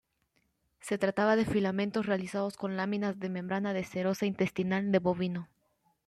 Se trataba de filamentos realizados con láminas de membrana de serosa intestinal de bovino.